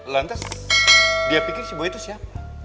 lantas dia pikir si buaya itu siapa